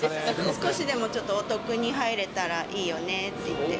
少しでもちょっとお得に入れたらいいよねって言って。